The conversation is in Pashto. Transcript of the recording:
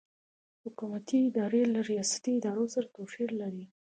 حکومتي ادارې له ریاستي ادارو سره توپیر لري.